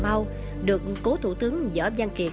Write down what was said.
và mau được cố thủ tướng giở văn kiệt